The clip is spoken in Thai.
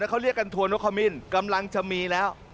เขาเรียกกันทัวนกขมิ้นกำลังจะมีแล้ว